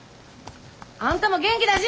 あんたも元気出し！